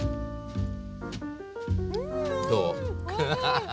どう？